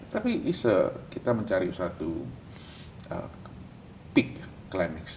tapi kita mencari satu peak climax